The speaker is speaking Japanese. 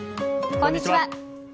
こんにちは。